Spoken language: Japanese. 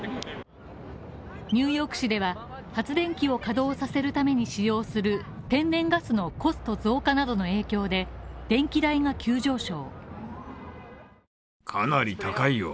ニューヨーク市では、発電機を稼働させるために使用する天然ガスのコスト増加などの影響で電気代が急上昇。